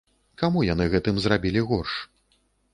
Каму яны гэтым зрабілі горш?